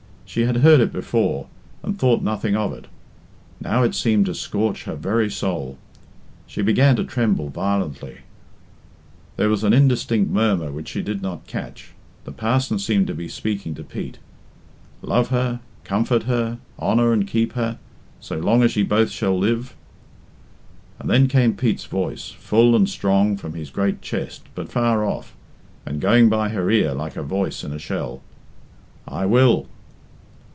She had heard it before, and thought nothing of it. Now it seemed to scorch her very soul. She began to tremble violently. There was an indistinct murmur which she did not catch. The parson seemed to be speaking to Pete " love her, comfort her, honour and keep her... so long as ye both shall live." And then came Pete's voice, full and strong from his great chest, but far off, and going by her ear like a voice in a shell "I will."